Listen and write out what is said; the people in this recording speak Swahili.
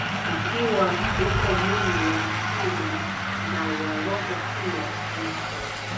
Ikiwa uko mwili wa asili, na wa roho pia uko.